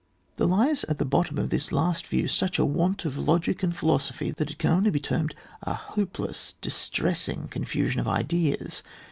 There lies at the bottom of this last view such a want of logic and philosophy, that it can only be termed a hopeless, distressing confusion of ideas.